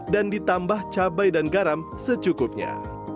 dan ditambah cabai dan garam secukupnya